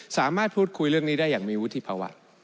สามารถพูดคุยเรื่องนี้ได้อย่างมีวุฒิภาวะ